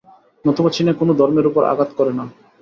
নতুবা চীনে কোন ধর্মের উপর আঘাত করে না।